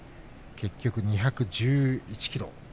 結局２１１ｋｇ。